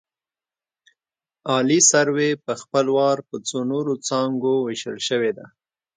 عالي سروې په خپل وار په څو نورو څانګو ویشل شوې ده